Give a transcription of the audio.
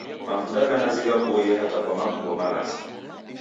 Mavuda gha nazi ghaboie hata kwa makongo malazi.